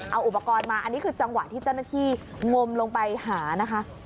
เอาอุปกรณ์มาอันนี้คือจังหวะที่เจ้าหน้าที่งมลงไปหานะคะ